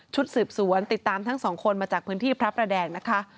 สืบสวนติดตามทั้งสองคนมาจากพื้นที่พระประแดงนะคะ